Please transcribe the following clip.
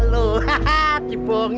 loh eh lho pulang